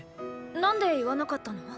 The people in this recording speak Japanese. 何で言わなかったの？